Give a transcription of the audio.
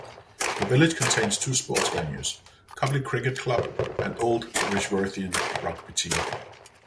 The village contains two sports venues, Copley Cricket Club and Old Rishworthian rugby team.